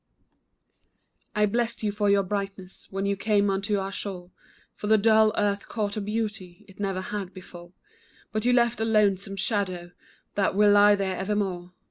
I blessed you for your brightness When you came unto our shore, For the dull earth caught a beauty It never had before; But you left a lonesome shadow, That will lie there evermore.